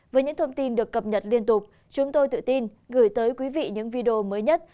với những thông tin được cập nhật liên tục chúng tôi tự tin gửi tới quý vị những video mới nhất